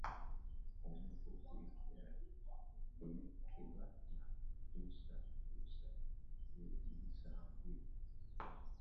Omugo gwe kyagi gukomekebwa na nkusakusa zebinsambwe.